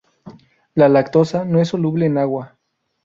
La lactosa no es soluble en agua.